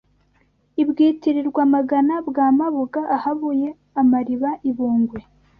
I Bwitirirwa-magana bwa Mabuga ahabuye amariba i Bungwe